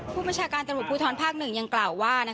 ผู้ประชาการตรวจบุท้อนภาค๑ยังกล่าวว่า